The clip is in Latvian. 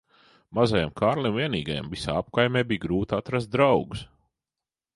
Mazajam Kārlim vienīgajam visā apkaimē bija grūti atrast draugus.